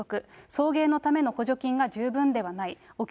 送迎のための補助金が十分ではない。